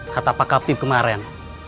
kata pak kapten kemaren